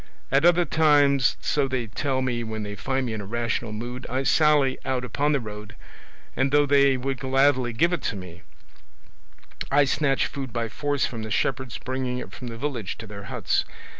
At other times, so they tell me when they find me in a rational mood, I sally out upon the road, and though they would gladly give it me, I snatch food by force from the shepherds bringing it from the village to their huts.